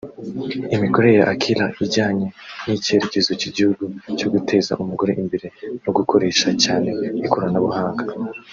Imikorere ya Akilah ijyanye n’icyerekezo cy’igihugu cyo guteza umugore imbere no gukoresha cyane ikoranabuhanga